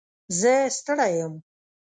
زه ستړی یم.